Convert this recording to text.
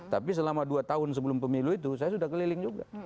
tapi selama dua tahun sebelum pemilu itu saya sudah keliling juga